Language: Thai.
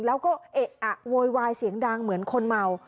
แล้วก็เอะอะโวยวายเสียงดังเหมือนคนเมา